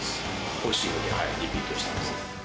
おいしいのでリピートしてます。